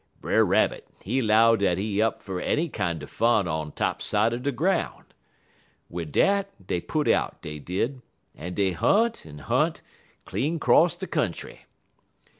Brer Rabbit, he 'low dat he up fer any kinder fun on top side er de groun'. Wid dat dey put out, dey did, en dey hunt en hunt clean 'cross de country.